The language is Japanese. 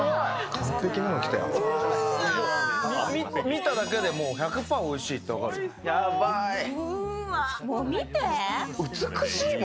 見ただけで１００％おいしいって分かる。